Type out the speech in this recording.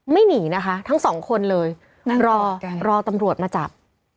หนีนะคะทั้งสองคนเลยรอรอตำรวจมาจับ